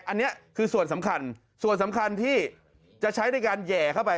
อันนี้คือส่วนสำคัญส่วนสำคัญที่จะใช้ในการแห่เข้าไป